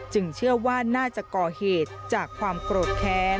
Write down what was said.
เชื่อว่าน่าจะก่อเหตุจากความโกรธแค้น